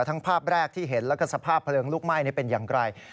ทั้งภาพแรกที่เห็นแล้วก็สภาพเผลิงรุกไหม้เป็นยังไง